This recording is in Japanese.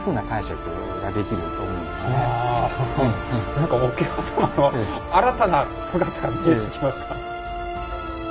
何か桶狭間の新たな姿見えてきました。